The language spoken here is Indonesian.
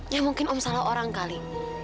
ya mungkin om salah orang kali